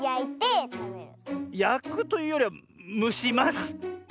やくというよりはむします。